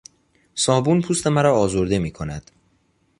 صابون پوست مرا آزرده میکند.